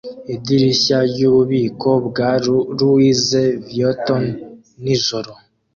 Idirishya ryububiko bwa Louis Vuitton nijoro